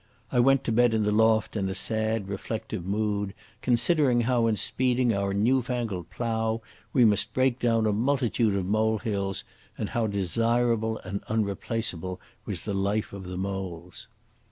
I went to bed in the loft in a sad, reflective mood, considering how in speeding our newfangled plough we must break down a multitude of molehills and how desirable and unreplaceable was the life of the moles.